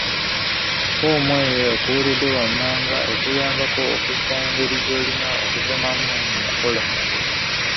Ffoomu eyo ekuweereddwa wammanga ekuyambako okussa engeri gy'olina okusomamu mu nkola.